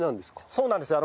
そうなんですよ。